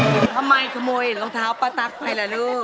ทำไมขโมยรองเท้าปะตั๊กไหมล่ะลูก